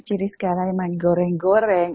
jadi segala yang main goreng goreng